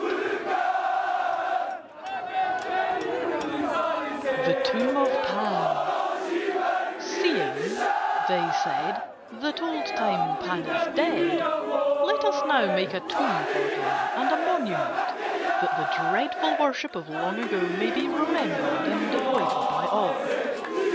THE TOMB OF PAN "Seeing," they said, "that old time Pan is dead, let us now make a tomb for him and a monument, that the dreadful worship of long ago may be remembered and avoided by all."